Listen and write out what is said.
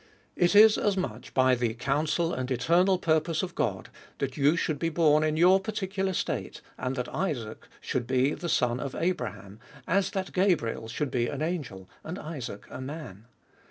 It is as much by the counsel and eternal purpose of God, that you should be born in your par ticular state, and that Isaac should be the son of Abra ham, as that Gabriel should be an angel, and Isaac a man.